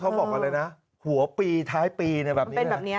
เขาบอกกันเลยนะหัวปีท้ายปีแบบนี้